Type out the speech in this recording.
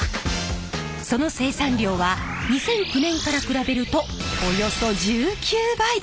その生産量は２００９年から比べるとおよそ１９倍！